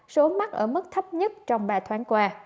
số mắc ở mức thấp nhất trong ba tháng